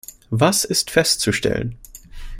Was ist festzustellen?